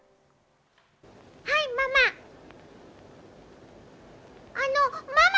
はい、ママ。